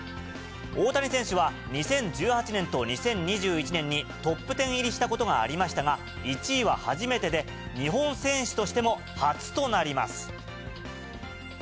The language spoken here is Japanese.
大谷選手は２０１８年と２０２１年にトップ１０入りしたことがありましたが、１位は初めてで、日本選手としても初となります。